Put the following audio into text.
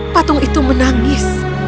patung itu menangis